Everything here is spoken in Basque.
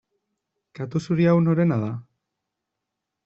Katu zuri hau norena da?